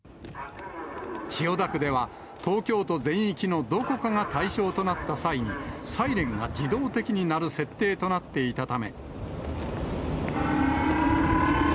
千代田区では、東京都全域のどこかが対象となった際に、サイレンが自動的に鳴る設定となっていたため。